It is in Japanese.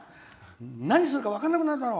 何するか分かんなくなるだろ！